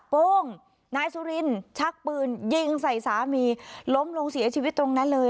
โป้งนายสุรินชักปืนยิงใส่สามีล้มลงเสียชีวิตตรงนั้นเลย